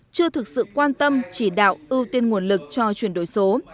chưa thực sự quan tâm chỉ đạo ưu tiên nguồn lực cho chuyển đổi số